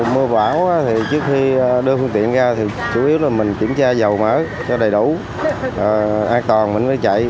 mưa bão trước khi đưa phương tiện ra chủ yếu là mình kiểm tra dầu mỡ cho đầy đủ an toàn mình mới chạy